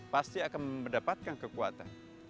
pasti akan mendapatkan kekuatan